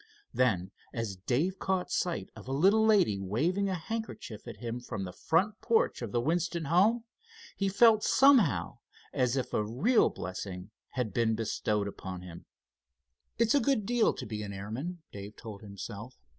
Then, as Dave caught sight of a little lady waving a handkerchief at him from the front porch of the Winston home, he felt somehow as if a real blessing had been bestowed upon him. "It's a good deal to be an airman," Dave told himself.